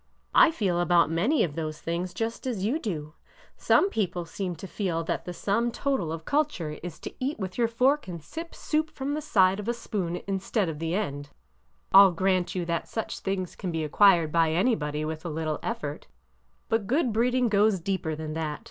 I feel about many of those things just as you do. Some people seem to feel that the sum total of culture is to eat with your fork and sip soup from the side of a spoon in stead of the end ! I 'll grant that such things can be ac quired by anybody with very little effort. But good breeding goes deeper than that!